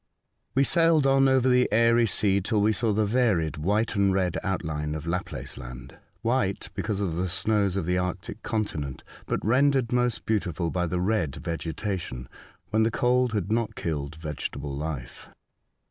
WE sailed on over the Airy Sea till we saw the varied white and red outline of Laplace Land ; white, because of the snows of the Arctic continent, but rendered most beau tiful by the red vegetation, when the cold had not killed vegetable life.